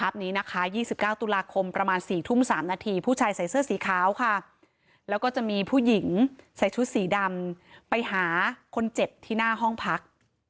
ผู้หญิงใส่ชุดสีดำไปหาคนเจ็บที่หน้าห้องพัก